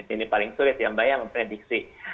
ini paling sulit ya mbak ya memprediksi